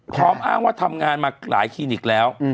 อ้างว่าทำงานมาหลายคลินิกแล้ว